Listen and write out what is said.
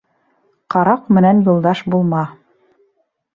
Ҡараҡ менән юлдаш булма